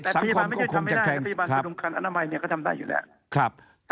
ทั่วประเทศโรงพยาบาลทำคลอดถ้ามีปัญหาถึงใจแพทย์